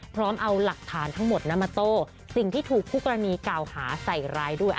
พร้อมเอาหลักฐานทั้งหมดมาโต้สิ่งที่ถูกคู่กรณีกล่าวหาใส่ร้ายด้วย